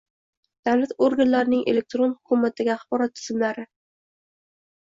Davlat organlarining elektron hukumatdagi axborot tizimlari